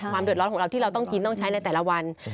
เดือดร้อนของเราที่เราต้องกินต้องใช้ในแต่ละวัน